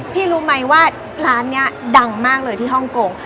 รู้ไหมว่าร้านนี้ดังมากเลยที่ฮ่องกง